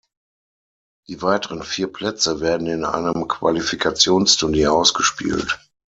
Die weiteren vier Plätze werden in einem Qualifikationsturnier ausgespielt.